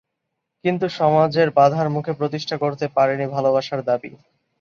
কিন্তু সমাজের বাধার মুখে প্রতিষ্ঠা করতে পারেনি ভালোবাসার দাবি।